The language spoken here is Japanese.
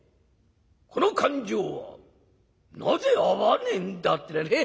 『この勘定はなぜ合わねえんだ』ってなね